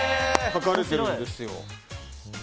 書かれているんですよ。